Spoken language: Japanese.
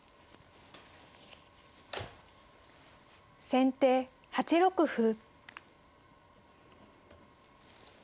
先手８六歩。